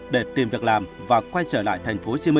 để tìm việc làm và quay trở lại tp hcm